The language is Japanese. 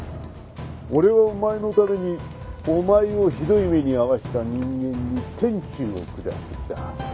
俺はお前のためにお前をひどい目に遭わせた人間に天誅を下してきた。